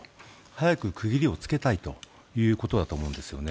早く区切りをつけたいということだと思うんです。